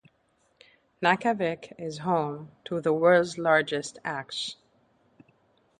Nackawic is home to the World's Largest Axe.